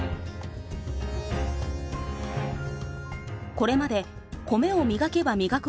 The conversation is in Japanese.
これまで米を磨けば磨く